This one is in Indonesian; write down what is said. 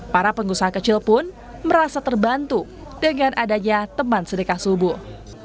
para pengusaha kecil pun merasa terbantu dengan adanya teman sedekah subuh